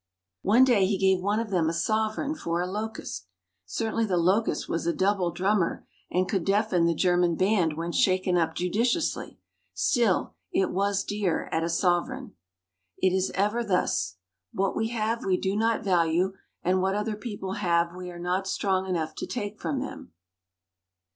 One day he gave one of them a sovereign for a locust. Certainly the locust was a "double drummer", and could deafen the German Band when shaken up judiciously; still, it was dear at a sovereign. It is ever thus. What we have we do not value, and what other people have we are not strong enough to take from them.